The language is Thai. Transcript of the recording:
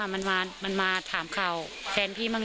พี่ถามเขาว่า